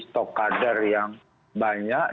stok kader yang banyak